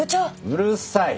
うるさい。